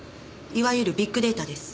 いわゆるビッグデータです。